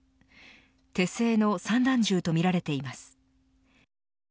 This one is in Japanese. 手製の散弾銃とみられています。